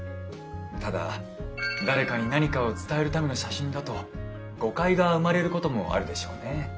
ただ誰かに何かを伝えるための写真だと誤解が生まれることもあるでしょうね。